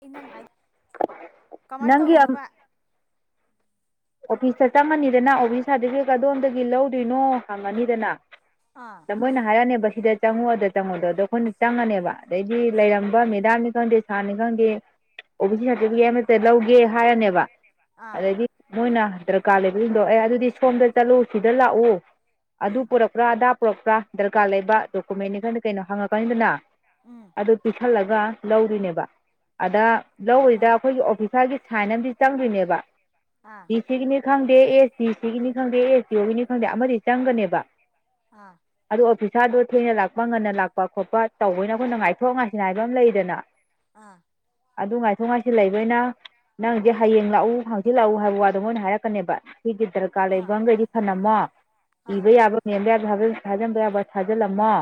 ꯑꯩ ꯅꯪ ꯍꯥꯏ ꯀꯃꯥꯏꯅ ꯅꯪꯒꯤ ꯇꯧꯔꯤꯅꯣꯕ ꯑꯣꯐꯤꯁꯇ ꯆꯪꯉꯅꯤꯗꯅ ꯑꯣꯐꯤꯁ ꯁꯥꯔꯇꯤꯐꯤꯀꯦꯠ ꯑꯗꯣꯝꯗꯒꯤ ꯂꯧꯗꯣꯏꯅꯣ ꯍꯪꯉꯅꯤꯗꯅ ꯑꯥ ꯃꯣꯏꯅ ꯍꯥꯏꯔꯛꯅꯦꯕ ꯁꯤꯗ ꯆꯪꯉꯛꯗ ꯆꯪꯉꯣꯗꯣ ꯑꯗꯣ ꯑꯩꯈꯣꯏꯅ ꯆꯪꯉꯅꯦꯕ ꯑꯗꯩꯗꯤ ꯂꯩꯔꯝꯕ ꯃꯦꯗꯥꯝꯒꯤ ꯈꯪꯗꯦ ꯁꯥꯅꯤ ꯈꯪꯗꯦ ꯑꯣ ꯕꯤ ꯁꯤ ꯁꯥꯔꯇꯤꯐꯤꯀꯦꯠ ꯑꯃꯇ ꯂꯧꯒꯦ ꯍꯥꯏꯔꯅꯦꯕ ꯑꯥ ꯑꯗꯒꯤ ꯃꯣꯏꯅ ꯗꯔꯀꯥꯔ ꯂꯩꯕꯁꯤꯡꯗꯣ ꯑꯦ ꯑꯗꯨꯗꯤ ꯁꯣꯝꯗ ꯆꯠꯂꯨ ꯁꯤꯗ ꯂꯥꯛꯎ ꯑꯗꯨ ꯎꯝ ꯄꯨꯔꯛꯄ꯭ꯔꯥ ꯑꯗꯥ ꯄꯨꯔꯛꯄ꯭ꯔꯥ ꯗꯔꯀꯥꯔ ꯂꯩꯕ ꯗꯣꯀꯨꯃꯦꯟꯅꯤ ꯈꯔꯗꯤ ꯀꯩꯅꯣ ꯍꯪꯉꯛꯀꯅꯤꯗꯅ ꯎꯝ ꯑꯗꯨ ꯄꯤꯤꯁꯜꯂꯒ ꯂꯧꯔꯤꯅꯦꯕ ꯑꯗ ꯂꯧꯔꯤꯗ ꯑꯥ ꯑꯩꯈꯣꯏꯒꯤ ꯑꯣꯐꯤꯁꯥꯔꯒꯤ ꯁꯥꯏꯟ ꯑꯃꯗꯤ ꯆꯪꯗꯣꯏꯅꯦꯕ ꯑ ꯗꯤ ꯁꯤꯒꯤꯅꯤ ꯈꯪꯗꯦ ꯑꯦꯁ ꯁꯤ ꯁꯤꯒꯤꯅꯤ ꯈꯪꯗꯦ ꯑꯦꯁ ꯁꯤ ꯑꯣꯒꯤꯅꯤ ꯈꯪꯗꯦ ꯑꯃꯗꯤ ꯆꯪꯒꯅꯦꯕ ꯑꯥ ꯑꯗꯨꯣ ꯑꯣꯐꯤꯁꯥꯔꯗꯣ ꯊꯦꯡꯅ ꯂꯥꯛꯄ ꯉꯟꯅ ꯂꯥꯛꯄ ꯈꯣꯠꯄ ꯇꯧꯕꯅ ꯑꯩꯈꯣꯏꯅ ꯉꯥꯏꯊꯣꯛ ꯉꯥꯏꯁꯤꯅ ꯍꯥꯏꯕ ꯑꯃ ꯂꯩꯗꯅ ꯑꯥ ꯑꯗꯨ ꯉꯥꯏꯊꯣꯛ ꯉꯥꯏꯁꯤꯜ ꯂꯩꯕꯅꯤꯅ ꯅꯪꯁꯦ ꯍꯌꯦꯡ ꯂꯥꯛꯎ ꯍꯥꯡꯁꯤꯤꯜꯂꯛꯎ ꯍꯥꯏꯕ ꯋꯥꯠ ꯑꯗꯨ ꯃꯅ ꯍꯥꯏꯔꯛꯀꯅꯦꯕ ꯁꯤꯗꯤ ꯗꯔꯀꯥꯔ ꯑꯥ ꯂꯩꯕ ꯑꯃꯈꯩꯗꯤ ꯐꯅꯝꯃꯣ ꯑꯥ ꯏꯕ ꯌꯥꯕ꯭ꯔꯥ ꯅꯦꯝꯕ ꯌꯥꯕ ꯍꯥꯖꯤꯟꯕ ꯌꯥꯕ ꯊꯥꯖꯤꯜꯂꯝꯃꯣ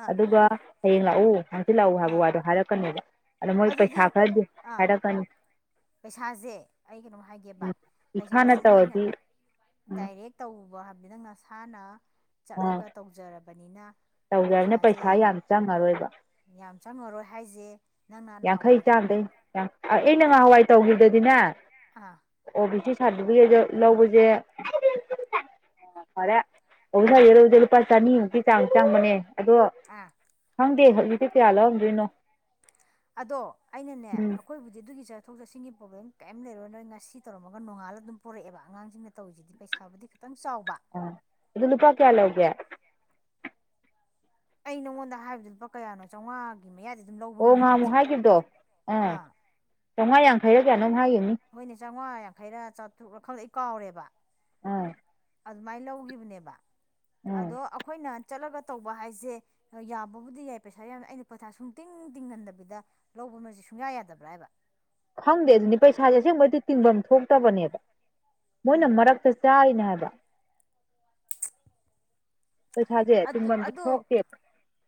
ꯑꯥ ꯑꯗꯨꯒ ꯍꯌꯦꯡ ꯂꯥꯛꯎ ꯁꯤ ꯂꯥꯛꯎ ꯍꯥꯏꯕ ꯑꯥ ꯋꯥꯗꯣ ꯍꯥꯏꯔꯛꯀꯅꯦꯕ ꯑꯗ ꯃꯣꯏ ꯑꯗꯨꯗꯤ ꯄꯩꯁꯥ ꯈꯔꯗꯤ ꯑꯥ ꯍꯥꯏꯔꯛꯀꯅꯤ ꯄꯩꯁꯥꯁꯦ ꯑꯩ ꯀꯩꯅꯣꯝ ꯍꯥꯏꯒꯦꯕ ꯎꯝ ꯏꯁꯥꯅ ꯄꯩꯁꯥꯁꯦ ꯅꯪꯅ ꯇꯧꯔꯗꯤ ꯎꯝ ꯗꯥꯏꯔꯦꯛ ꯇꯧꯕꯥ ꯇꯧꯖꯕꯅꯦ ꯄꯩꯁꯥ ꯌꯥꯝ ꯆꯪꯉꯔꯣꯏꯕ ꯌꯥꯝ ꯆꯥꯟꯉꯔꯣꯏ ꯍꯥꯏꯁꯦ ꯅꯪꯅ ꯌꯥꯡꯈꯩ ꯅꯍꯥꯟꯋꯥꯏ ꯆꯥꯝꯗꯩ ꯑ ꯅ ꯉꯍꯥꯟꯋꯥꯏ ꯇꯧꯈꯤꯕꯗꯗꯤꯅꯦ ꯑꯥ ꯑꯣ ꯕꯤ ꯁꯤ ꯁꯥꯔꯇꯤꯐꯤꯀꯦꯠ ꯂꯧꯕꯁꯦ ꯐꯔꯦ ꯑꯣꯁꯥ ꯌꯔꯨꯗꯦ ꯂꯨꯄꯥ ꯆꯅꯤꯃꯨꯛꯀꯤ ꯆꯥꯡ ꯆꯪꯕꯅꯦ ꯑꯗꯣ ꯑꯥ ꯍꯪꯗ ꯍꯧꯪ ꯁꯤꯌꯥꯂꯒ ꯑꯗꯣ ꯑꯩꯅꯅꯦ ꯎꯝ ꯑꯩꯈꯣꯏꯕꯨꯗꯤ ꯑꯗꯨꯒꯤ ꯆꯠꯊꯣꯛ ꯆꯠꯁꯤꯒꯤ ꯄ꯭ꯔꯣꯕ꯭ꯂꯦꯝ ꯀꯔꯤꯝ ꯂꯩꯔꯣꯏ ꯅꯣꯏ ꯉꯁꯤ ꯇꯧꯔꯝꯃꯒ ꯅꯣꯡꯉꯥꯂ ꯑꯗꯨꯝ ꯄꯨꯣꯔꯛꯑꯦꯕ ꯑꯉꯥꯡꯁꯤꯡꯅ ꯇꯧꯔꯤꯁꯤꯗꯤ ꯄꯩꯁꯥꯕꯨꯗꯤ ꯈꯤꯇꯪ ꯆꯥꯎꯕ ꯑ ꯑꯗꯨ ꯅꯨꯄꯥ ꯀꯌꯥꯂꯒꯦ ꯑꯩ ꯅꯪꯉꯣꯟꯗ ꯍꯥꯏꯕꯗꯨ ꯂꯨꯄꯥ ꯀꯌꯥꯅꯣ ꯆꯥꯝꯃꯉꯥꯒꯤ ꯃꯌꯥꯗꯤ ꯑꯗꯨꯝ ꯑꯣ ꯂꯧꯕꯅꯤꯅꯦ ꯉꯍꯥꯟꯃꯨꯛ ꯄꯖꯥ ꯑꯥ ꯆꯥꯝꯉꯥꯡꯈꯩꯔꯛ ꯌꯥꯠ ꯅꯅ ꯍꯥꯏꯒꯅꯤ ꯍꯣꯏꯅꯦ ꯆꯥꯝꯃꯉꯥ ꯌꯥꯡꯈꯩꯔ ꯆꯥꯇ꯭ꯔꯨꯛ ꯈꯪꯗꯩ ꯀꯥꯎꯔꯦꯕ ꯎꯝ ꯑꯗꯨꯃꯥꯏꯅ ꯂꯧꯈꯤꯕꯅꯦꯕ ꯑꯥ ꯑꯗꯣ ꯑꯩꯈꯣꯏꯅ ꯆꯠꯂꯒ ꯇꯧꯕ ꯍꯥꯏꯁꯦ ꯌꯥꯕꯕꯨꯗꯤ ꯌꯥꯏ ꯄꯩꯁꯥ ꯌꯥꯝ ꯑꯩꯅ ꯄꯩꯊꯥ ꯁꯨꯡ ꯇꯤꯡ ꯇꯤꯡꯍꯟꯗꯕꯤꯗ ꯂꯧꯕ ꯃ ꯁꯨꯡꯌꯥ ꯌꯥꯗꯕ꯭ꯔꯥ ꯍꯥꯏꯕ ꯈꯪꯗꯦ ꯑꯗꯨꯗꯤ ꯄꯩꯁꯥꯁꯦ ꯑꯁꯦꯡꯕꯩꯗꯤ ꯇꯤꯡꯐꯝ ꯊꯣꯛꯇꯕꯅꯦꯕ ꯃꯣꯏꯅ ꯎꯝ ꯃꯔꯛꯇ ꯆꯥꯏꯅꯦ ꯍꯥꯏꯕ ꯄꯩꯁꯥꯁꯦ ꯑꯗꯨ ꯇꯨꯡꯐꯝꯗꯤ ꯑꯗꯨ ꯊꯣꯛꯇꯦꯕ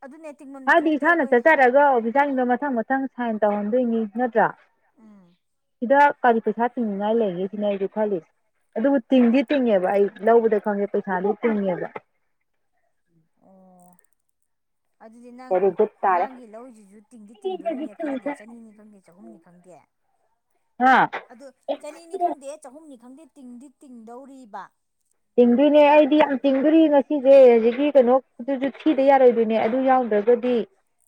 ꯑꯗꯨꯅꯦ ꯇꯤꯡꯐꯝ ꯍꯥꯏꯗꯤ ꯊꯣꯛꯇꯦ ꯏꯁꯥꯅ ꯑꯩꯈꯣꯏ ꯆꯠ ꯆ ꯍꯥꯏꯔꯒ ꯑꯣꯐꯤꯁꯥꯁꯤꯡꯗꯣ ꯃꯊꯪ ꯃꯊꯪ ꯁꯥꯏꯟ ꯇꯧꯍꯟꯗꯣꯏꯅꯤ ꯅꯠꯇ꯭ꯔꯥ ꯎꯝ ꯁꯤꯗ ꯀꯔꯤ ꯄꯩꯁꯥ ꯇꯤꯡꯅꯤꯉꯥꯏ ꯂꯩꯒꯦ ꯁꯤꯅ ꯑꯩꯁꯨ ꯈꯜꯂꯤ ꯑꯗꯨꯕꯨ ꯇꯤꯡꯗꯤ ꯇꯤꯡꯉꯦꯕ ꯑꯩ ꯂꯧꯕꯗ ꯈꯪꯗꯦ ꯄꯩꯁꯥꯗꯤ ꯄꯨꯨꯅꯤꯑꯕ ꯑꯣ ꯑꯗꯨꯗꯤ ꯅꯪ ꯕꯦꯔꯤ ꯒꯨꯗ ꯇꯥꯔꯦ ꯑꯉꯥꯡꯒꯤ ꯂꯧꯁꯤꯁꯨ ꯇꯤꯡꯗꯤ ꯇꯤꯡꯗꯣꯔꯤꯅꯦ ꯈꯔꯗꯤ ꯆꯅꯤꯅꯤ ꯈꯪꯗꯦ ꯆꯍꯨꯝꯅꯤ ꯈꯪꯗꯦ ꯍꯥ ꯑꯗꯨ ꯆꯅꯤꯅꯤ ꯈꯪꯗꯦ ꯆꯍꯨꯝꯅꯤ ꯈꯪꯗꯦ ꯇꯤꯡꯗꯤ ꯇꯤꯡꯗꯧꯔꯤꯕ ꯇꯤꯡꯗꯣꯏꯅꯦ ꯑꯩꯗꯤ ꯌꯥꯝ ꯇꯤꯡꯗꯣꯔꯤ ꯉꯁꯤꯁꯦ ꯍꯧꯖꯤꯛꯀꯤ ꯀꯩꯅꯣ ꯑꯗꯨꯁꯨ ꯊꯤꯗ ꯌꯥꯔꯣꯏꯗꯣꯏꯅꯦ ꯑꯗꯨ ꯌꯥꯎꯗ꯭ꯔꯒꯗꯤ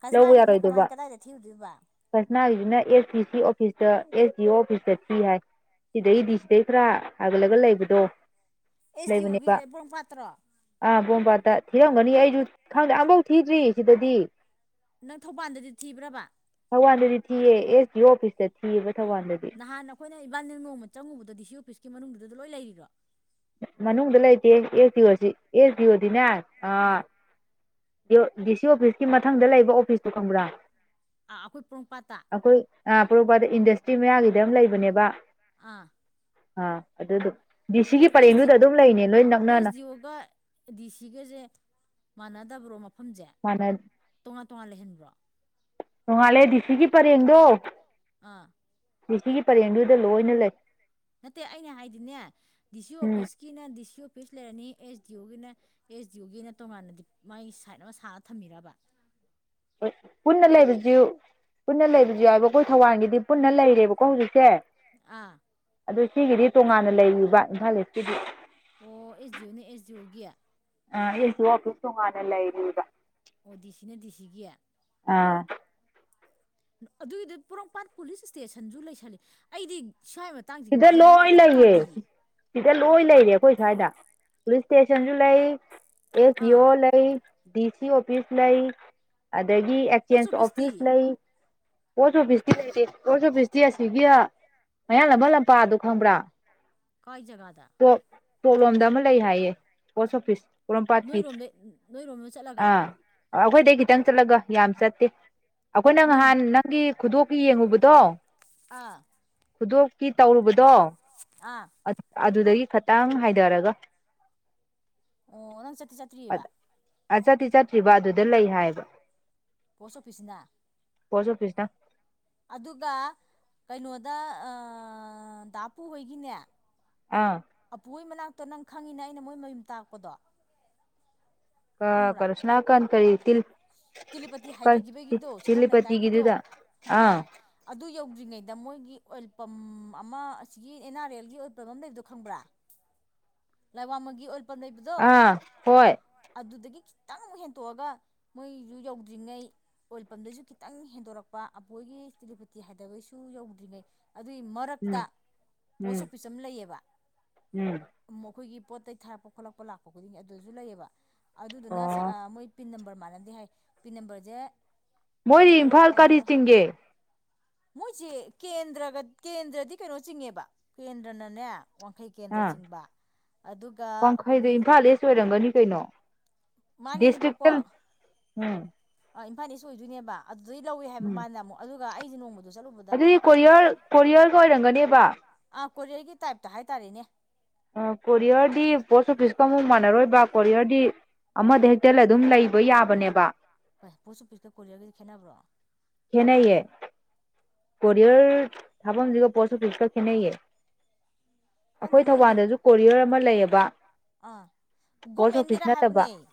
ꯀꯖꯅꯥꯒꯤꯗꯨꯅ ꯀꯃꯥꯏ ꯀꯗꯥꯏꯗ ꯊꯤꯔꯨꯗꯣꯏꯕ ꯐꯁꯅꯥꯒꯤꯁꯤꯅ ꯑꯦꯁ ꯗꯤ ꯁꯤ ꯑꯣꯐꯤꯁꯇ ꯑꯦꯁ ꯗꯤ ꯑꯣ ꯑꯣꯐꯤꯁꯇ ꯊꯤ ꯍꯥꯏ ꯁꯤꯗꯩꯗꯤ ꯁꯤꯗꯩ ꯈꯔ ꯍꯥꯒꯠꯂꯒ ꯂꯩꯕꯗꯣ ꯑꯦꯁ ꯗꯤ ꯂꯩꯕꯅꯦꯕ ꯑꯣꯒꯤꯁꯦ ꯕ꯭ꯔꯣꯡ ꯄꯥꯠꯇ꯭ꯔꯣ ꯑꯥ ꯕꯣꯝꯄꯥꯠꯇ ꯊꯤꯔꯝꯒꯅꯤ ꯑꯩꯁꯨ ꯈꯪꯗꯦ ꯑꯐꯧ ꯊꯤꯗ꯭ꯔꯤ ꯁꯤꯗꯗꯤ ꯅꯪ ꯊꯧꯕꯥꯜꯗꯗꯤ ꯊꯤꯕ꯭ꯔꯕ ꯊꯧꯕꯥꯜꯗꯗꯤ ꯊꯤꯑ ꯑꯦꯁ ꯗꯤ ꯑꯣꯐꯤꯁꯇ ꯊꯤꯑꯕ ꯊꯧꯕꯥꯜꯗꯗꯤ ꯅꯍꯥꯟ ꯑꯩꯈꯣꯏꯅ ꯏꯕꯥꯂ ꯅꯣꯡꯃ ꯆꯪꯉꯨꯕꯗ ꯗꯤ ꯁꯤ ꯑꯣꯐꯤꯁꯀꯤ ꯃꯅꯨꯡꯗꯨꯗ ꯂꯣꯏ ꯂꯩ ꯂꯩꯔꯤꯕ꯭ꯔꯣ ꯃꯅꯨꯡꯗ ꯂꯩꯇꯦ ꯑꯦꯁ ꯗꯤ ꯑꯣ ꯁꯤ ꯑꯦꯁ ꯗꯤ ꯑꯣꯗꯤꯅꯦ ꯑ ꯑꯥ ꯗꯤ ꯁꯤ ꯑꯣꯐꯤꯁꯀꯤ ꯃꯊꯪꯗ ꯂꯩꯕ ꯑꯣꯐꯤꯁꯇꯣ ꯈꯪꯕ꯭ꯔꯥ ꯑꯥ ꯑꯩꯈꯣꯏ ꯄ꯭ꯔꯣꯝꯄꯥꯠꯇ ꯑꯩꯈꯣꯏ ꯄꯣꯔꯣꯄꯗ ꯏꯟꯗꯁꯇ꯭ꯔꯤ ꯃꯌꯥꯒꯤꯗ ꯑꯃ ꯂꯩꯕꯅꯦꯕ ꯑꯥ ꯑꯥ ꯑꯗꯨꯗ ꯗꯤ ꯁꯤꯒꯤ ꯄꯔꯦꯡꯗꯨꯗ ꯑꯗꯨꯝ ꯂꯩꯅꯦ ꯂꯣꯏ ꯅꯛꯅꯅ ꯌꯣꯒꯥ ꯗꯤ ꯁꯤꯒꯁꯦ ꯃꯥꯟꯅꯗꯕ꯭ꯔꯣ ꯃꯐꯝꯁꯦ ꯃꯥꯅ ꯇꯣꯉꯥꯟ ꯇꯣꯉꯥꯟ ꯂꯩꯍꯟꯕ꯭ꯔꯣ ꯅꯣꯡꯉꯥꯜꯂꯦ ꯗꯤꯦ ꯁꯤꯒꯤ ꯄꯔꯦꯡꯗꯣ ꯑꯥ ꯦ ꯁꯤꯒꯤ ꯄꯔꯦꯡꯗꯨꯗ ꯂꯣꯏꯅ ꯂꯩ ꯅꯠꯇꯦ ꯑꯩꯅ ꯍꯥꯏꯗꯤꯅꯦ ꯗꯤ ꯁꯤ ꯎꯝ ꯑꯣꯐꯤꯁꯀꯤꯅ ꯗꯤ ꯁꯤ ꯑꯣꯐꯤꯁ ꯂꯩꯔꯅꯤ ꯑꯦꯁ ꯗꯤ ꯑꯣꯒꯤꯅ ꯑꯦꯁ ꯗꯤ ꯑꯣꯒꯤꯅ ꯇꯣꯉꯥꯟꯅꯗꯤ ꯃꯥꯏ ꯁꯥꯏꯠ ꯑꯃ ꯁꯥꯔ ꯊꯝꯕꯤꯔꯕ ꯍ ꯄꯨꯟꯅ ꯂꯩꯕꯁꯨ ꯄꯨꯟꯅ ꯂꯩꯕꯁꯨ ꯌꯥꯎꯑꯕ ꯑꯩꯈꯣꯏ ꯊꯧꯕꯥꯜꯒꯤꯗꯤ ꯄꯨꯟꯅ ꯂꯩꯔꯦꯕꯀꯣ ꯍꯧꯖꯤꯛꯁꯦ ꯑꯥ ꯑꯗꯨ ꯁꯤꯒꯤꯗꯤ ꯇꯣꯉꯥꯟꯅ ꯂꯩꯔꯤꯕꯕ ꯏꯝꯐꯥꯜ ꯏꯁꯀꯤꯗꯤ ꯑꯣ ꯑꯦꯁ ꯗꯤ ꯑꯣꯅꯦ ꯑꯦꯁ ꯗꯤ ꯑꯣꯒꯤ ꯑ ꯑꯦꯁꯨ ꯑꯣꯐꯤꯁꯁ ꯇꯣꯡꯉꯥꯟꯅꯂ ꯂꯩꯔꯤꯒ ꯑꯣ ꯗꯤ ꯁꯤꯅ ꯗꯤ ꯁꯤꯒꯤ ꯑꯥ ꯑꯗꯨꯒꯤꯗ ꯄꯣꯔꯣꯝꯄꯥꯠ ꯄꯨꯂꯤꯁ ꯏꯁꯇꯦꯁꯟꯁꯨ ꯂꯩꯁꯜꯂꯤ ꯑꯩꯗꯤ ꯁ꯭ꯋꯥꯏ ꯃꯇꯥꯡꯁꯦ ꯁꯤꯗ ꯂꯣꯏ ꯒ꯭ꯌꯥꯟꯅꯤꯇꯥ ꯂꯩꯌꯦ ꯇꯥꯗꯦ ꯁꯤꯗ ꯂꯣꯏ ꯂꯩꯔꯦ ꯑꯩꯈꯣꯏ ꯁ꯭ꯋꯥꯏꯗ ꯄꯨꯂꯤꯁ ꯏꯁꯇꯦꯁꯟꯁꯨ ꯂꯩ ꯑꯦꯁ ꯏ ꯑꯥ ꯑꯣ ꯂꯩꯥꯏ ꯗꯤ ꯁꯤ ꯑꯣꯐꯤꯁ ꯂꯩꯥꯏ ꯑꯗꯒꯤ ꯄꯣꯁ ꯑꯦꯛꯆꯦꯟꯁ ꯑꯣꯐꯤꯁꯇꯤ ꯑꯣꯐꯤꯁ ꯂꯩ ꯄꯣꯁ ꯑꯣꯐꯤꯁꯇꯤ ꯂꯩꯇꯦ ꯄꯣꯁ ꯑꯣꯐꯤꯁꯇꯤ ꯑꯁꯤꯒꯤ ꯃꯌꯥ ꯂꯝꯕ ꯂꯝꯄꯥꯛꯗ ꯈꯪꯕ꯭ꯔꯥ ꯀꯏ ꯖꯒꯥꯗ ꯀꯣ ꯀꯣꯛꯂꯣꯝꯗ ꯑꯃ ꯂꯩ ꯍꯥꯏꯌꯦ ꯄꯣꯁ ꯑꯣꯐꯤꯁ ꯄꯣꯔꯣꯝꯄꯥꯠꯀꯤ ꯅꯣꯏ ꯔꯣ ꯆꯂ ꯑꯥ ꯑꯩꯈꯣꯏꯗꯩ ꯈꯤꯇꯪ ꯆꯠꯂꯒ ꯌꯥꯝ ꯆꯠꯇꯦ ꯑꯩꯈꯣꯏꯅ ꯅꯣꯏꯔꯣꯝ ꯉꯍꯥꯟ ꯅꯪ ꯅꯪꯒꯤ ꯈꯨꯗꯣꯞꯀꯤ ꯌꯦꯡꯉꯨꯕꯗꯣ ꯑꯥ ꯈꯨꯗꯣꯀꯤ ꯇꯧꯔꯨꯕꯗꯣ ꯑꯥ ꯑꯗꯨꯗꯒꯤ ꯈꯈꯤꯇꯪ ꯍꯥꯏꯊꯔꯒ ꯑꯣ ꯅꯪ ꯆꯠꯇ꯭ꯔꯤ ꯆꯇꯔꯤ ꯑ ꯆꯠꯇꯤ ꯆꯠꯇ꯭ꯔꯤꯕ ꯑꯗꯨꯗ ꯂꯩ ꯍꯥꯏꯕ ꯄꯣꯁ ꯑꯣꯐꯤꯁꯁꯤꯗ ꯄꯣꯁ ꯑꯣꯐꯤꯁ ꯅ ꯑꯗꯨꯒ ꯀꯩꯅꯣꯗ ꯗꯥ ꯄꯨꯨꯍꯣꯏꯒꯤꯅꯦ ꯑꯥ ꯑꯄꯨꯣꯏ ꯃꯅꯥꯛꯇꯣ ꯅꯪ ꯈꯪꯉꯤꯅꯦ ꯑꯩꯅ ꯃꯣꯏ ꯃꯌꯨꯝ ꯇꯥꯛꯄꯗꯣ ꯀ ꯈꯪꯕ꯭ꯔꯥ ꯀꯔꯁꯅꯥ ꯀꯥꯟ ꯀꯔꯤ ꯇꯤꯂꯤꯄꯇꯤ ꯍꯥꯏꯊꯈꯤꯕꯒꯤꯗꯣ ꯁꯨꯐꯝ ꯂꯩꯀꯥꯏꯒꯤꯗꯣ ꯇꯤꯂꯤꯄꯇꯤꯒꯤꯗꯨꯗ ꯑ ꯑꯥ ꯑꯗꯨ ꯌꯧꯗ꯭ꯔꯤꯉꯩꯗ ꯃꯣꯏꯒꯤ ꯑꯣꯏꯜ ꯄꯝ ꯑꯃ ꯑꯁꯤꯒꯤ ꯑꯦꯟ ꯑꯥꯔ ꯑꯦꯜꯒꯤ ꯑꯣꯏꯜ ꯄꯝ ꯑꯃ ꯂꯩꯕꯗꯣ ꯈꯪꯕ꯭ꯔꯥ ꯂꯥꯏꯋꯥꯡꯃꯪꯒꯤ ꯑꯣꯏꯜ ꯄꯝ ꯂꯩꯕꯗꯣ ꯑꯥ ꯍꯣꯏ ꯑꯗꯨꯗꯒꯤ ꯈꯤꯇꯪ ꯑꯃꯨꯛ ꯍꯦꯟꯇꯣꯛꯑꯒ ꯃꯣꯏꯁꯨ ꯌꯧꯗ꯭ꯔꯤꯉꯩ ꯑꯣꯏꯜ ꯄꯝꯗꯁꯨ ꯈꯤꯇꯪ ꯍꯦꯟꯗꯣꯔꯛꯄ ꯑꯕꯣꯏꯒꯤ ꯏꯁꯇꯤꯂꯤꯄꯇꯤ ꯍꯥꯏꯗꯕꯩꯁꯨ ꯌꯧꯗ꯭ꯔꯤꯉꯩ ꯑꯗꯨꯏ ꯎꯝ ꯃꯔꯛꯇ ꯄꯣꯁ ꯎꯝ ꯑꯣꯐꯤꯁ ꯑꯃ ꯂꯩꯌꯦꯕ ꯎꯝ ꯑꯩꯈꯣꯏꯒꯤ ꯄꯣꯠ ꯆꯩ ꯊꯥꯔꯛꯄ ꯈꯣꯠꯂꯛꯄ ꯂꯥꯛꯄ ꯈꯨꯗꯤꯡꯒꯤ ꯑꯗꯨꯁꯨ ꯂꯩꯌꯦꯕ ꯑꯗꯨꯗꯨꯅ ꯑꯣ ꯃꯣꯏ ꯄꯤꯟ ꯅꯝꯕꯔ ꯃꯥꯟꯅꯗꯦ ꯍꯥꯏ ꯄꯤꯟ ꯅꯝꯕꯔꯁꯦ ꯃꯣꯏꯗꯤ ꯖꯦꯔꯣ ꯏꯝꯐꯥꯜ ꯋꯥꯟ ꯀꯔꯤ ꯖꯦꯔꯣ ꯆꯤꯡꯒꯦ ꯃꯣꯏꯁꯦ ꯀꯦꯟꯗ꯭ꯔꯒ ꯀꯦꯟꯗ꯭ꯔꯗꯤ ꯀꯩꯅꯣ ꯆꯤꯡꯉꯦꯕ ꯀꯦꯟꯗ꯭ꯔꯅꯅꯦ ꯋꯥꯡꯈꯩ ꯑꯥ ꯀꯦꯟꯗ꯭ꯔꯆꯤꯡꯕ ꯋꯥꯡꯈꯩꯗꯣ ꯏꯝꯐꯥꯜ ꯏꯁ ꯑꯣꯏꯔꯝꯒꯅꯤ ꯀꯩꯅꯣ ꯗꯤꯁꯇ꯭ꯔꯤꯛꯇ ꯃꯥꯅꯤꯅꯦꯕꯀꯣ ꯎꯝ ꯏꯝꯐꯥꯜ ꯏꯁ ꯑꯣꯏꯗꯣꯏꯅꯦꯕ ꯑꯗꯨꯗꯩ ꯂꯧꯋꯦ ꯍꯥꯏꯕ ꯎꯝ ꯃꯥꯜꯂꯅ ꯑꯃꯨꯛ ꯑꯗꯨꯒ ꯑꯩꯗꯤ ꯅꯣꯡꯃꯗ ꯑꯗꯨꯗꯤ ꯀꯣꯔꯤꯌꯔ ꯀꯣꯔꯤꯌꯔꯒ ꯑꯣꯏꯔꯝꯒꯅꯦꯕ ꯑꯥ ꯀꯣꯔꯤꯌꯔꯒꯤ ꯇꯥꯏꯞꯇ ꯍꯥꯏꯇꯥꯔꯦꯅꯦ ꯀꯣꯔꯤꯌꯔꯗꯤ ꯄꯣꯁ ꯑꯣꯐꯤꯁꯀ ꯑꯃꯨꯛ ꯃꯥꯟꯅꯔꯣꯏꯕ ꯀꯣꯔꯤꯌꯔꯗꯤ ꯑꯃꯗ ꯍꯦꯛꯇꯦꯜ ꯑꯗꯨꯝ ꯂꯩꯕ ꯌꯥꯕꯅꯦꯕ ꯀꯣꯏ ꯄꯣꯠꯁꯨ ꯄꯤꯠꯀ ꯀꯔꯒꯗꯤ ꯈꯦꯠꯅꯕ꯭ꯔꯣ ꯍꯅꯌꯦ ꯀꯣꯔꯤꯌꯔ ꯊꯕꯐꯝꯁꯤꯒꯣ ꯄꯣꯁ ꯄꯁ ꯈꯦꯅꯦꯌꯦ ꯈꯪꯗꯦ ꯑꯩꯈꯣꯏ ꯃꯣꯏꯗꯣ ꯊꯧꯕꯥꯜꯗꯁꯨ ꯀꯣꯔꯤꯌꯔ ꯑꯃ ꯂꯩꯌꯦꯕ ꯑꯥ ꯄꯣꯁ ꯑꯣꯐꯤꯁ ꯒꯣꯔꯃꯦꯟꯒꯤꯔ ꯅꯠꯇꯕ ꯍꯥꯏꯕꯅꯦ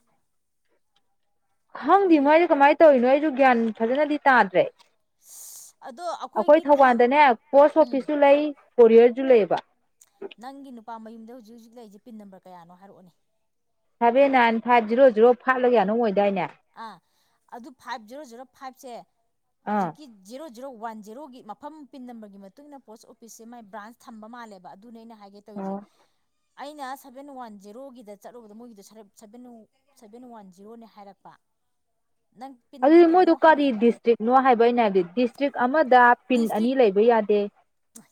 ꯍꯪꯗꯤ ꯀꯣꯔꯤꯌꯔ ꯃꯣꯏꯁꯦ ꯀꯃꯥꯏꯅ ꯇꯧꯔꯤꯅꯣ ꯑꯩꯁꯨ ꯒ꯭ꯌꯥꯟ ꯐꯖꯅꯗꯤ ꯑꯗꯣ ꯑꯩꯈꯣꯏꯒꯤꯅꯦ ꯎꯝ [unintelligible] ꯂꯥꯏ ꯄꯔꯤꯋꯔ ꯖꯂꯥꯏꯕ ꯅꯪꯒꯤ ꯅꯨꯄꯥ ꯃꯌꯨꯝꯗ ꯍꯧꯖꯤꯛ ꯍꯧꯖꯤꯛ ꯂꯩꯔꯤꯁꯦ ꯄꯤꯟ ꯅꯝꯕꯔ ꯀꯌꯥꯅꯣ ꯍꯥꯏꯔꯛꯑꯣꯅꯤ seven nine five zero zero ꯐꯥꯠꯂꯒ ꯌꯥꯅꯨ ꯑꯣꯏꯗꯥꯏꯅꯦ ꯑꯥ ꯑꯗꯨ ꯐꯥꯏꯚ ꯖꯦꯔꯣ ꯖꯦꯔꯣ ꯐꯥꯏꯚꯁꯦ ꯑꯥ ꯍꯧꯖꯤꯛꯀꯤ ꯖꯦꯔꯣ ꯖꯦꯔꯣ ꯋꯥꯟ ꯖꯦꯔꯣꯒꯤ ꯃꯐꯝ ꯄꯤꯟ ꯅꯝꯕꯔꯒꯤ ꯃꯇꯨꯡ ꯏꯟꯅ ꯄꯣꯁ ꯑꯣꯐꯤꯁꯁꯦ ꯃꯥꯏ ꯕ꯭ꯔꯥꯟꯁ ꯊꯝꯕ ꯃꯥꯜꯂꯦꯕ ꯑꯗꯨꯅꯦ ꯑꯩꯅ ꯍꯥꯏꯒꯦ ꯇꯧꯔꯤꯁꯦ ꯑꯩꯅ ꯁꯚꯦꯟ ꯋꯥꯟ ꯖꯦꯔꯣꯒꯤꯗ ꯆꯠꯂꯨꯕꯗ ꯃꯣꯏꯒꯤꯗ ꯁꯚꯦꯟ ꯁꯚꯦꯟ ꯋꯥꯟ ꯖꯤꯔꯣꯅꯦ ꯍꯥꯏꯔꯛꯄ ꯅꯪ ꯄꯤꯟ ꯅꯝꯕꯔ ꯑꯗꯨꯗꯤ ꯃꯣꯏꯗꯨ ꯀꯌꯥꯅꯣ ꯀꯔꯤ ꯍꯪꯉꯛꯑꯦꯕ ꯗꯤꯁꯇ꯭ꯔꯤꯛꯅꯣ ꯍꯥꯏꯕꯒꯤꯩꯅ ꯍꯥꯏꯕꯗꯤ ꯗꯤꯁꯇ꯭ꯔꯤꯛ ꯑꯃꯗ ꯄꯤꯟ ꯑꯅꯤ ꯗꯤꯁꯇ꯭ꯔꯤꯛ ꯂꯩꯕ ꯌꯥꯗꯦ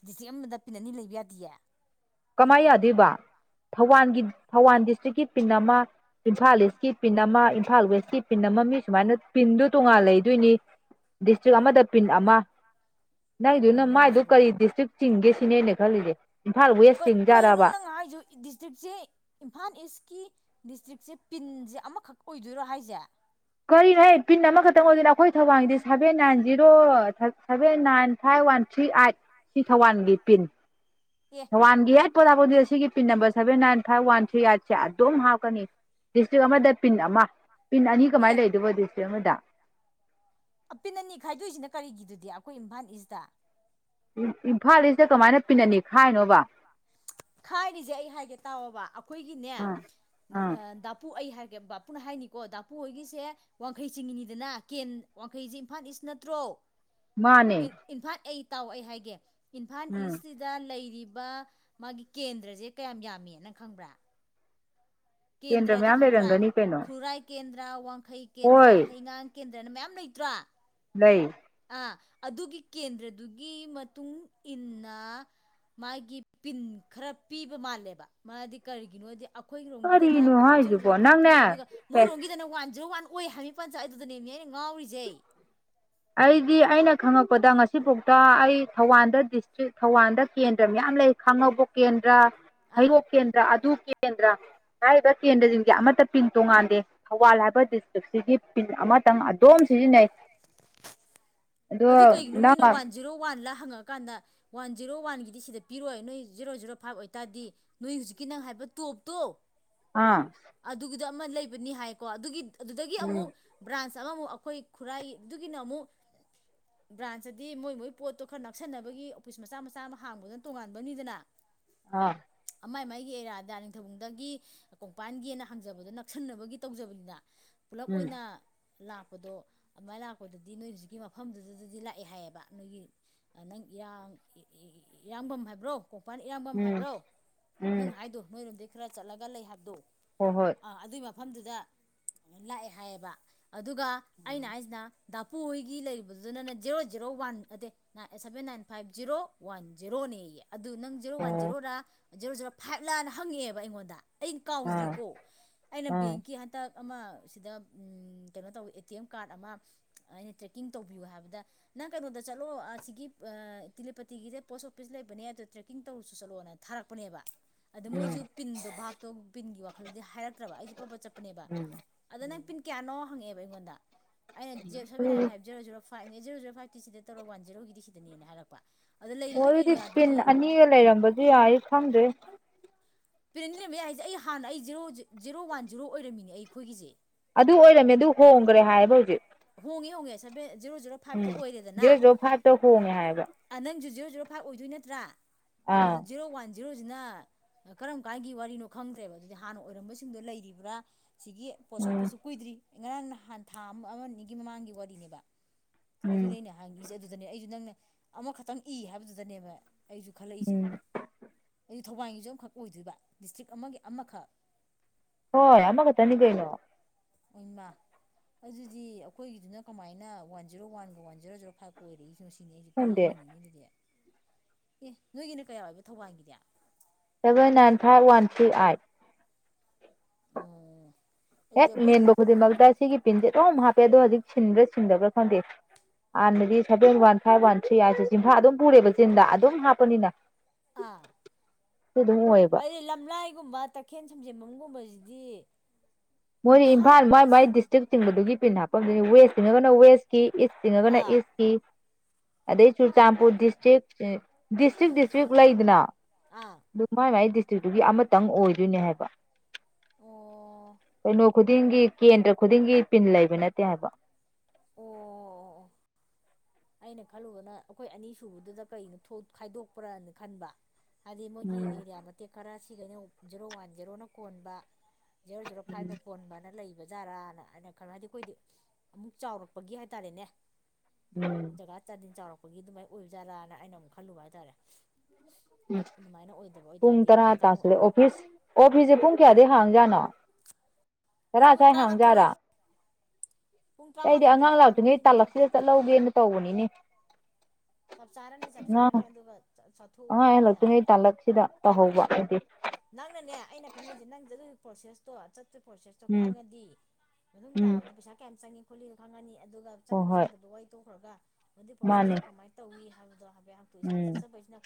ꯗꯤꯁꯇ꯭ꯔꯤꯛ ꯑꯃꯗ ꯄꯤꯅꯅꯤ ꯂꯩꯕ ꯌꯥꯗꯦ ꯀꯃꯥꯏꯅ ꯌꯥꯗꯣꯏꯕ ꯊꯧꯕꯥꯜꯒꯤ ꯊꯧꯕꯥꯜ ꯗꯤꯁꯇ꯭ꯔꯤꯛꯀꯤ ꯄꯤꯟ ꯑꯃ ꯏꯝꯐꯥꯜ ꯏꯁꯀꯤ ꯄꯤꯟ ꯑꯃ ꯏꯝꯐꯥꯜ ꯋꯦꯁꯀꯤ ꯄꯤꯟ ꯑꯃ ꯃꯤ ꯁꯨꯃꯥꯏꯅ ꯄꯤꯟꯗꯨꯣ ꯇꯣꯉꯥꯟ ꯂꯩꯗꯣꯏꯅꯤ ꯗꯤꯁꯇ꯭ꯔꯤꯛ ꯑꯃꯗ ꯄꯤꯟ ꯑꯃ ꯅꯪꯗꯨꯅ ꯀꯩꯅꯣ ꯃꯥꯏꯗꯨꯣ ꯍꯥꯏꯁꯤꯕꯣ ꯀꯔꯤ ꯗꯤꯁꯇ꯭ꯔꯤꯛ ꯆꯤꯡꯒꯦ ꯁꯤꯅꯦꯅ ꯈꯜꯂꯤꯁꯦ ꯏꯝꯐꯥꯜꯋ ꯀꯩꯅꯣ ꯅꯪ ꯍꯥꯏꯁꯨ ꯗꯤꯁꯇ꯭ꯔꯤꯛꯁꯦ ꯏꯝꯐꯥꯜ ꯏꯁꯀꯤ ꯗꯤꯁꯇ꯭ꯔꯤꯛꯁꯦ ꯄꯤꯟꯁꯦ ꯑꯃꯈꯛ ꯑꯣꯏꯗꯣꯏꯔꯣ ꯍꯥꯏꯁꯦ ꯀꯔꯤꯅꯣ ꯑꯩ ꯄꯤꯟ ꯑꯃꯈꯛꯇꯪ ꯑꯣꯏꯗꯣꯏꯅ ꯑꯩꯈꯣꯏ ꯊꯧꯕꯥꯡꯗꯤ seven nine zero seven nine five one three eight ꯁꯤ ꯊ ꯋꯥꯟꯒꯤ ꯄꯤꯟ ꯌꯦ ꯊꯋꯥꯟꯒꯤ ꯍꯠ ꯄꯣꯊꯥꯄꯗꯤ ꯑꯁꯤꯒꯤ pin number seven nine five one three ꯑꯠꯁꯦ ꯑꯗꯨꯝ ꯍꯥꯞꯀꯅꯤ ꯗꯤꯁꯇ꯭ꯔꯤꯛ ꯑꯃꯗ ꯄꯤꯟ ꯑꯃ ꯄꯤꯟ ꯑꯅꯤ ꯀꯃꯥꯏꯅ ꯑꯦ ꯂꯩꯗꯕꯣ ꯗꯤꯁꯇ꯭ꯔꯤꯛ ꯑꯃꯗ ꯑꯄꯤꯟ ꯑꯅꯤ ꯈꯥꯏꯗꯣꯛꯏꯁꯤꯅ ꯀꯔꯤꯒꯤꯗꯨꯗꯤ ꯑꯩꯈꯣꯏ ꯏꯝꯐꯥꯜ ꯏꯁꯇ ꯏꯝꯐꯥꯜ ꯏꯁꯇ ꯀꯃꯥꯏꯅ ꯄꯤꯟꯅꯅꯤ ꯈꯥꯏꯅꯣꯕ ꯈꯥꯏꯔꯤꯁꯦ ꯑꯩ ꯍꯥꯏꯒꯦ ꯇꯥꯑꯣꯕ ꯑꯩꯈꯣꯏꯒꯤꯅꯦ ꯑꯥ ꯑꯥ ꯄꯨ ꯑꯩ ꯍꯥꯏꯒꯦ ꯕꯥꯄꯨꯅ ꯍꯥꯏꯅꯤꯀꯣ ꯗꯥꯄꯨ ꯍꯣꯏꯒꯤꯁꯦ ꯋꯥꯡꯈꯩ ꯆꯤꯡꯉꯤꯅꯤꯗꯅ ꯀꯦꯟ ꯋꯥꯡꯈꯩꯁꯦ ꯏꯝꯐꯥꯜ ꯏꯁ ꯅꯠꯇ꯭ꯔꯣ ꯃꯥꯅꯦ ꯏꯝꯐꯥꯜ ꯑꯩ ꯇꯥꯎ ꯑꯩ ꯍꯥꯏꯒꯦ ꯏꯝꯐꯥꯜ ꯎꯝ ꯏꯁꯁꯤ ꯗ ꯂꯩꯔꯤꯕ ꯃꯥꯒꯤ ꯀꯦꯟꯗ꯭ꯔꯁꯦ ꯀꯌꯥꯝ ꯌꯥꯝꯃꯦꯅ ꯈꯪꯕ꯭ꯔꯥ ꯀꯦꯟꯗ꯭ꯔ ꯀꯦꯟꯗ꯭ꯔꯗꯤ ꯃꯌꯥꯝ ꯈꯪꯕ꯭ꯔꯥ ꯂꯩꯔꯝꯒꯅꯤ ꯀꯩꯅꯣ ꯈꯨꯔꯥꯏ ꯀꯦꯟꯗ꯭ꯔ ꯋꯥꯡꯈꯩ ꯀꯦꯟꯗ꯭ꯔ ꯍꯣꯏ ꯍꯩꯉꯥꯡ ꯀꯦꯟꯗ꯭ꯔꯅ ꯃꯌꯥꯝ ꯂꯩꯇ꯭ꯔꯣ ꯂꯩ ꯑꯥ ꯑꯗꯨꯒꯤ ꯀꯦꯟꯗ꯭ꯔꯗꯨꯒꯤ ꯃꯇꯨꯡ ꯏꯟꯅ ꯃꯥꯒꯤ ꯄꯤꯟ ꯈꯔ ꯄꯤꯕ ꯃꯥꯜꯂꯦꯕ ꯃꯥꯗꯤ ꯀꯔꯤꯒꯤꯅꯣꯗꯤ ꯑꯩꯈꯣꯏꯒꯤꯔꯣꯝꯒꯤꯗ ꯀꯔꯤꯅꯣ ꯖꯦꯔꯣ ꯍꯥꯏꯁꯤꯕꯣ ꯖꯦꯔꯣ ꯐꯥꯏꯚ ꯄꯤ ꯅꯪꯅꯦ ꯑꯗꯨꯒ ꯃꯣꯏꯔꯣꯝꯒꯤꯗꯅ ꯋꯥꯟ ꯖꯦꯔꯣ ꯋꯥꯟ ꯑꯣꯏ ꯍꯥꯏ ꯁꯔ ꯄꯟꯆꯥꯥꯏꯗꯨꯗꯅꯦꯅꯦꯩꯅ ꯉꯥꯎꯔꯤꯁꯩ ꯑꯩꯗꯤ ꯑꯩꯅ ꯈꯪꯉꯛꯄꯗ ꯉꯁꯤꯐꯥꯎꯗ ꯑꯩ ꯊꯧꯕꯥꯜꯗ ꯗꯤꯁꯇ꯭ꯔꯤꯛ ꯊꯧꯕꯥꯜꯗ ꯀꯦꯟꯗ꯭ꯔ ꯃꯌꯥꯝ ꯂꯩ ꯈꯥꯡꯉꯕꯣꯛ ꯀꯦꯟꯗ꯭ꯔ ꯑꯥ ꯍꯩꯔꯣꯛ ꯀꯦꯟꯗ꯭ꯔ ꯑꯗꯨ ꯀꯦꯟꯗ꯭ꯔ ꯍꯥꯏꯕ ꯀꯦꯟꯗ꯭ꯔꯁꯤꯡꯁ ꯑꯃꯠꯇ ꯄꯤꯡ ꯇꯣꯉꯥꯟꯗꯦ ꯊꯧꯕꯥꯜ ꯍꯥꯏꯕ ꯗꯤꯁꯇ꯭ꯔꯤꯛꯁꯤꯒꯤ ꯄꯤꯟ ꯑꯃꯇꯪ ꯑꯗꯨꯣꯝ ꯁꯤꯖꯤꯟꯅꯩ ꯑꯗꯣ ꯑꯗꯨ ꯀꯩꯒꯤꯅꯣ ꯃꯣꯏꯅ ꯅꯪ ꯋꯥꯟ ꯖꯤꯦꯔꯣ ꯋꯥꯟꯂꯥ ꯍꯪꯉꯛꯀꯥꯟꯗ ꯋꯥꯟ ꯖꯤꯔꯣ ꯋꯥꯟꯒꯤꯗꯤ ꯁꯤꯗ ꯄꯤꯔꯛꯣꯏ ꯅꯣꯏ ꯖꯤꯔꯣ ꯖꯤꯔꯣ ꯐꯥꯏꯚ ꯑꯣꯏꯇꯥꯔꯗꯤ ꯅꯣꯏ ꯍꯧꯨꯖꯤꯛꯀꯤ ꯅꯪ ꯍꯥꯏꯕ ꯇꯣꯞꯇꯣ ꯑꯥ ꯑꯗꯨꯒꯤꯗ ꯑꯃ ꯂꯩꯕꯅꯤ ꯍꯥꯏꯀꯣ ꯑꯗꯨꯒꯤ ꯑꯗꯨꯗꯒꯤ ꯎꯝ ꯑꯃꯨꯛ ꯕ꯭ꯔꯥꯟꯁ ꯑꯃꯃꯨꯛ ꯑꯩꯈꯣꯏ ꯈꯨꯔꯥꯏꯗꯨꯒꯤꯅ ꯑꯃꯨꯛ ꯕ꯭ꯔꯥꯟꯁꯇꯗꯤ ꯃꯣꯏ ꯃꯣꯏ ꯄꯣꯠꯇꯣ ꯈꯔ ꯅꯛꯁꯟꯅꯕꯒꯤ ꯑꯣꯐꯤꯁ ꯃꯆꯥ ꯃꯆꯥ ꯑꯃ ꯍꯥꯡꯕꯗꯅ ꯇꯣꯉꯥꯟꯕꯅꯤꯗꯅ ꯑꯥ ꯑꯃꯥꯏ ꯃꯥꯏꯒꯤ ꯑꯦꯔꯤꯌꯥꯗ ꯅꯤꯡꯊꯧꯗꯒꯤ ꯀꯣꯡꯄꯥꯟꯒꯤꯅ ꯍꯪꯖꯕꯗꯣ ꯅꯛꯁꯤꯟꯅꯕꯒꯤ ꯇꯧꯖꯕꯅꯤꯅ ꯄꯨꯂꯞ ꯎꯝ ꯑꯣꯏꯅ ꯂꯥꯛꯄꯗꯣ ꯑꯗꯨꯃꯥꯏꯅ ꯂꯥꯛꯄꯗꯗꯤ ꯅꯣꯏ ꯍꯧꯖꯤꯛꯀꯤ ꯃꯐꯝꯗꯨꯗꯗꯗꯤ ꯂꯥꯛꯑꯦ ꯍꯥꯏꯌꯦꯕ ꯅꯣꯏꯒꯤ ꯅꯪ ꯏꯔꯥꯡ ꯏꯔꯥꯡꯕꯝ ꯍꯥꯏꯕ꯭ꯔꯣ ꯀꯣꯡꯄꯥꯟ ꯏꯔꯥꯡꯕꯝ ꯎꯝ ꯍꯥꯏꯕ꯭ꯔꯣ ꯎꯝ ꯅꯪ ꯍꯥꯏꯗꯣ ꯅꯣꯏꯔꯣꯝꯗꯩ ꯈꯔ ꯆꯠꯂꯒ ꯂꯩ ꯍꯥꯏꯕꯗꯣ ꯍꯣꯏ ꯍꯣꯏ ꯑꯗꯨꯒꯤ ꯃꯐꯝꯗꯨꯗ ꯂꯥꯛꯑꯦ ꯍꯥꯏꯌꯦꯕ ꯑꯗꯨꯒ ꯑꯩꯅ ꯍꯥꯏꯁꯤꯅ ꯗꯥꯄꯨ ꯍꯣꯏꯒꯤ ꯂꯩꯔꯤꯕ ꯑꯗꯨꯗꯨꯅ ꯖꯤꯔꯣ ꯖꯦꯔꯣ ꯋꯥꯟ ꯑꯗꯦ seven nine five zero one ꯖꯤꯔꯣꯅꯦꯌꯦ ꯑꯗꯨ ꯅꯪ ꯖꯦꯔꯣ ꯋꯥꯟ ꯑꯣ ꯖꯦꯔꯣꯔꯥ ꯖꯦꯔꯣ ꯖꯦꯔꯣ ꯐꯥꯏꯕꯂꯥꯅ ꯍꯪꯉꯦꯕ ꯑꯩꯉꯣꯟꯗ ꯑꯩꯅ ꯑꯥ ꯀꯥꯎꯗ꯭ꯔꯤꯀꯣ ꯑꯩꯅ ꯑꯥ ꯕꯦꯡꯀꯤ ꯍꯟꯇꯛ ꯑꯃ ꯁꯤꯗ ꯀꯩꯅꯣ ꯇꯧꯋꯤ ꯑꯦ ꯇꯤ ꯑꯦꯝ ꯀꯥꯔꯗ ꯑꯃ ꯑꯩꯅ ꯇ꯭ꯔꯦꯛꯀꯤꯡ ꯇꯧꯕꯤꯌꯨ ꯍꯥꯏꯕꯗ ꯅꯪ ꯀꯩꯅꯣꯗ ꯆꯠꯂꯣ ꯑꯁꯤꯒꯤ ꯇꯤꯂꯄꯇꯤꯒꯤꯁꯦ ꯄꯣꯁ ꯑꯣꯐꯤꯁ ꯂꯩꯕꯅꯦ ꯑꯗꯨꯗꯣ ꯇ꯭ꯔꯦꯛꯀꯤꯡ ꯇꯧꯔꯨꯁꯨ ꯆꯠꯂꯣ [unintelligible] ꯊꯥꯔꯛꯄꯅꯦꯕ ꯑꯗ ꯎꯝ ꯃꯣꯏꯁꯨ ꯄꯤꯟꯗ ꯚꯥꯕꯇꯣ ꯄꯤꯟꯒꯤ ꯋꯥꯈꯜꯗꯤ ꯍꯥꯏꯔꯛꯇ꯭ꯔꯕ ꯑꯩꯁꯦ ꯄꯕ ꯆꯠꯄꯅꯦꯕ ꯎꯝ ꯑꯗ ꯅꯪ ꯄꯤꯟ ꯀꯌꯥꯅꯣ ꯍꯪꯉꯛꯦꯕ ꯑꯩꯉꯣꯟꯗ ꯑꯩꯅ ꯖꯤꯞ ꯁꯕꯦꯟ ꯅꯥꯏꯟ ꯑꯗꯨꯗꯤ ꯐꯥꯏꯚ ꯖꯦꯔꯣ ꯖꯔꯣ ꯐꯥꯏꯚꯅꯦ ꯖꯦꯔꯣ ꯖꯔꯣ ꯐꯥꯏꯚꯀꯤ ꯁꯤꯗ ꯇꯧꯔꯣ ꯋꯥꯟ ꯖꯦꯔꯣꯒꯤꯗꯤ ꯁꯤꯗꯅꯦꯅ ꯍꯥꯏꯔꯛꯄ ꯑꯗꯣ ꯂꯩꯔꯤꯕ ꯑꯦꯔꯤꯌꯥꯗꯨꯗꯤ ꯃꯤꯒ ꯂꯩꯔꯝꯕꯗꯤ ꯌꯥꯏ ꯈꯪꯗꯦ ꯄꯦꯔꯦꯟ ꯂꯩꯔꯃꯦ ꯌꯥꯏꯁꯦ ꯑꯩ ꯍꯥꯟꯅ ꯑꯩ ꯖꯔꯣ ꯖꯦꯔꯣ ꯋꯥꯟ ꯖꯦꯔꯣ ꯑꯣꯏꯔꯝꯃꯤꯅꯦ ꯑꯩꯈꯣꯏꯒꯤꯁꯦ ꯑꯗꯨ ꯑꯣꯏꯔꯝꯃꯦ ꯑꯗꯨ ꯍꯣꯡꯈ꯭ꯔꯦ ꯍꯥꯏꯌꯦꯕ ꯍꯧꯖꯤꯛ ꯍꯣꯡꯉꯦ ꯍꯣꯡꯉꯦ ꯁꯦꯕꯦꯟ ꯖꯤꯔꯣ ꯖꯤꯔꯣ ꯎꯝ ꯗꯦꯔ ꯖꯣ ꯐꯥꯏꯚꯇ ꯍꯣꯡꯉꯦ ꯍꯥꯏꯕ ꯅꯪꯁꯨ ꯖꯤꯔꯣ ꯖꯤꯔꯣ ꯐꯥꯏꯚ ꯑꯣꯏꯗꯣꯏ ꯅꯠꯇ꯭ꯔꯥ ꯑꯥ ꯑꯗꯣ ꯖꯤꯔꯣ ꯋꯥꯟ ꯖꯤꯔꯣꯁꯤꯅ ꯀꯔꯝ ꯀꯥꯟꯒꯤ ꯋꯥꯔꯤꯅꯣ ꯈꯪꯗ꯭ꯔꯦꯕ ꯑꯗꯨꯗꯤ ꯍꯥꯟꯅ ꯑꯣꯏꯔꯝꯕꯁꯤꯡꯗꯣ ꯂꯩꯔꯤꯕ꯭ꯔꯥ ꯁꯤꯒꯤ ꯄꯣꯁ ꯎꯝ ꯑꯣꯐꯤꯁꯁꯨ ꯀꯨꯏꯗ꯭ꯔꯤ ꯉꯔꯥꯡ ꯅꯍꯥꯟ ꯊꯥ ꯑꯃ ꯑꯃ ꯑꯅꯤꯒꯤ ꯃꯃꯥꯡꯒꯤ ꯋꯥꯔꯤꯅꯦꯕ ꯎꯝ ꯑꯗꯨꯗꯅꯦ ꯍꯪꯉꯤꯁꯦ ꯑꯗꯨꯗꯅꯦ ꯑꯩꯁꯨ ꯅꯪꯅ ꯑꯃꯈꯛꯇꯪ ꯏ ꯍꯥꯏꯕꯗꯨꯗꯅꯦꯕ ꯑꯩꯁꯨ ꯈꯜꯂꯛꯏꯁꯦ ꯎꯝ ꯍꯥꯏꯗꯤ ꯊꯧꯕꯥꯜꯒꯤꯁꯨ ꯑꯃꯈꯛ ꯑꯣꯏꯗꯣꯏꯔꯤꯕ ꯗꯤꯁꯇ꯭ꯔꯤꯛ ꯑꯃꯒꯤ ꯑꯃꯈꯛ ꯍꯣꯏ ꯑꯃꯈꯇꯅꯤ ꯀꯩꯅꫭ ꯑꯣꯃꯥ ꯑꯗꯨꯗꯤ ꯑꯩꯈꯣꯏꯒꯤꯗꯨꯅ ꯀꯃꯥꯏꯅ ꯋꯥꯟ ꯖꯦꯔꯣ ꯋꯥꯟꯒ ꯋꯥꯟ ꯖꯦꯔꯣ ꯖꯤꯔꯣ ꯐꯥꯏꯚ ꯀꯣꯏꯔꯛꯏꯁꯅꯣ ꯁꯤꯅꯦ ꯑꯩꯁꯤ ꯈꯪꯗꯦ ꯐꯜꯂꯝꯃꯤꯅꯤꯅꯦ ꯑꯗꯨꯗꯤ ꯑꯦ ꯅꯣꯏꯒꯤꯅ ꯀꯌꯥ ꯑꯣꯏꯕ ꯊꯧꯕꯥꯜꯒꯤꯗꯤ seven nine five one three eight [inaudible] ꯑꯗꯨꯗꯤ ꯍꯦꯛ ꯑꯩꯈꯣꯏꯒꯤ ꯃꯦꯟꯕ ꯈꯨꯗꯤꯡꯃꯛꯇ ꯁꯤꯒꯤ ꯄꯤꯟꯁꯦ ꯑꯗꯨꯝ ꯍꯥꯞꯄꯦ ꯑꯗꯣ ꯍꯧꯖꯤꯛ ꯁꯤꯟꯕ꯭ꯔꯥ ꯁꯤꯟꯗꯕ꯭ꯔꯥ ꯈꯪꯗꯦ ꯍꯥꯟꯅꯗꯤ seven one five one three ꯍꯥꯏꯁꯦ ꯆꯤꯟꯐꯥ ꯑꯗꯨꯝ ꯄꯨꯔꯦꯕ ꯆꯤꯟꯗ ꯑꯗꯨꯝ ꯍꯥꯞꯄꯅꯤꯅ ꯑꯥ ꯑꯗꯨ ꯑꯗꯨꯝ ꯑꯣꯏꯌꯦꯕ ꯑꯩꯗꯤ ꯂꯝꯂꯥꯏꯒꯨꯝꯕ ꯇꯈꯦꯟ ꯁꯝꯖꯦꯟꯕꯝꯒꯨꯝꯕꯁꯤꯗꯤ ꯃꯣꯏ ꯏꯝꯐꯥꯜ ꯏꯝꯐꯥꯟ ꯃꯣꯏ ꯃꯥꯏ ꯏꯁ ꯆꯤꯛ ꯆꯤꯡꯕꯗꯨꯒꯤ ꯄꯤꯟ ꯍꯥꯞꯄꯝꯗꯨꯅꯤ ꯋꯦꯁ ꯆꯤꯡꯉꯒꯅ ꯋꯦꯁꯀꯤ ꯏꯁ ꯆꯤꯡꯉꯒꯅ ꯑꯥ ꯏꯁ ꯑꯗꯩ ꯆꯨꯔꯆꯥꯟꯄꯨꯔ ꯗꯤꯁꯇ꯭ꯔꯤꯛ ꯗꯤꯁꯇ꯭ꯔꯤꯛ ꯗꯤꯁꯇ꯭ꯔꯤꯛ ꯂꯩꯗꯅ ꯑꯥ ꯑꯗꯨ ꯃꯥꯏ ꯃꯥꯏ ꯗꯤꯁꯇ꯭ꯔꯤꯛꯇꯨꯒꯤ ꯑꯃꯇꯪ ꯑꯣꯏꯗꯣꯏꯅꯦ ꯍꯥꯏꯕ ꯑꯣ ꯀꯩꯅꯣ ꯈꯨꯗꯤꯡꯒꯤ ꯀꯦꯟꯗ꯭ꯔ ꯈꯨꯗꯤꯡꯒꯤ ꯄꯤꯟ ꯂꯩꯕ ꯅꯠꯇꯦ ꯍꯥꯏꯕ ꯑꯣ ꯑꯩꯅ ꯈꯜꯂꯨꯕꯅ ꯑꯩꯈꯣꯏ ꯑꯅꯤꯁꯨꯕꯗꯨꯗ ꯀꯩꯅꯣ ꯈꯥꯏꯗꯣꯛꯄ꯭ꯔꯅ ꯈꯟꯕ ꯍꯥꯏꯗꯤ ꯃꯣꯏꯒꯤ ꯎꯝ ꯑꯦꯔꯤꯌꯥ ꯃꯇꯦꯛ ꯈꯔ ꯁꯤꯒꯩꯅ ꯖꯦꯔꯣ ꯋꯥꯟ ꯖꯦꯔꯣꯅ ꯀꯣꯟꯕ ꯖꯤꯔꯣ ꯖꯤꯔꯣ ꯐꯥꯏꯚꯅ ꯄꯣꯟꯕꯅ ꯂꯩꯕ ꯕꯖꯥꯔꯥꯅ ꯍꯥꯏꯅ ꯈꯜꯂꯣ ꯍꯥꯏꯗꯤ ꯑꯩꯈꯣꯏꯗꯤ ꯑꯃꯨꯛ ꯆꯥꯎꯔꯛꯄꯒꯤ ꯍꯥꯏꯇꯥꯔꯦꯅꯦ ꯎꯝ ꯇꯖ ꯆꯥꯗꯤꯟ ꯆꯥꯎꯔꯛꯄꯒꯤ ꯑꯗꯨꯃꯥꯏ ꯑꯣꯏꯕꯖꯥꯔꯥꯅ ꯑꯩꯅ ꯑꯃꯨꯛ ꯈꯜꯂꯨꯕ ꯍꯥꯏꯇꯥꯔꯦ ꯅ ꯑꯗꯨꯃꯥꯏꯅ ꯑꯣꯏꯗꯕ ꯑꯣꯏꯇꯥꯔꯗꯤ ꯑꯃꯈꯛꯇꯪ ꯐꯤꯁ ꯑꯣ ꯐꯤꯁꯁꯦ ꯄꯨꯡ ꯀꯌꯥꯗꯒꯤꯩ ꯍꯥꯡꯖꯥꯠꯅꯣ ꯄꯨꯁ ꯇꯔꯥ ꯄꯨꯡ ꯁ꯭ꯋꯥꯏ ꯍꯥꯡꯖꯥꯠꯔꯥ ꯇꯔꯥꯃꯥꯊꯣꯏ ꯄꯨꯡ ꯑꯩꯗꯤ ꯑꯉꯥꯡ ꯇꯔꯥꯃꯥꯊꯣꯏꯗꯒꯤ ꯂꯥꯛꯇꯣꯏꯅꯦꯩ ꯍꯥꯡꯗꯣꯏꯅꯦ ꯏꯕꯦꯝꯃ ꯇꯥꯂꯛꯁꯤꯗ ꯆꯠꯍꯧꯒꯦꯅ ꯇꯧꯕꯅꯤꯅꯦ ꯆꯞ ꯆꯥꯔꯅꯤ ꯆꯞ ꯅꯪ ꯆꯥꯔꯅꯤ ꯑꯗꯨꯒ ꯑꯉ ꯆꯠꯊꯣꯛꯎꯔꯒꯅꯦ ꯍꯜꯂꯛꯇ꯭ꯉꯩ ꯇꯥꯂꯛꯁꯤꯗ ꯇꯧꯍꯧꯕ ꯍꯥꯏꯗꯤ ꯅꯪꯅꯅꯦ ꯑꯩꯅ ꯈꯪꯉꯤꯁꯦ ꯅꯪ ꯑꯗꯨꯒꯤ ꯄ꯭ꯔꯣꯁꯦꯁꯇꯣ ꯆꯠ ꯄ꯭ꯔꯣꯁꯦꯁꯇꯣ ꯎꯝ ꯈꯪꯉꯗꯤ ꯃꯇꯨꯡ ꯎꯝ ꯇꯥꯕꯗ ꯄꯩꯁꯥ ꯀꯌꯥꯝ ꯆꯪꯉꯤ ꯈꯣꯠꯂꯤꯗꯣ ꯈꯪꯉꯅꯤ ꯑꯗꯨꯒ ꯍꯣꯏ ꯆꯪꯕ ꯍꯣꯏ ꯆꯪꯗꯕ ꯋꯥ ꯇꯣꯛꯈ꯭ꯔꯒ ꯃꯗꯤ ꯃꯥꯅꯦ ꯄ꯭ꯔꯣꯁꯦꯁꯇꯣ ꯀꯃꯥꯏꯅ ꯇꯧꯏ ꯍꯥꯏꯕꯗꯣ ꯍꯥꯏꯕꯦꯇ ꯏꯁꯥꯅ ꯎꯝ ꯆꯠꯆꯕꯩꯁꯤꯅ